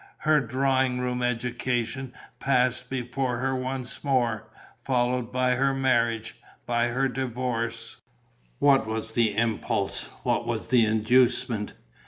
Her drawing room education passed before her once more, followed by her marriage, by her divorce.... What was the impulse? What was the inducement?...